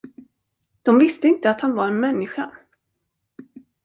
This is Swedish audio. De visste inte att han var en människa.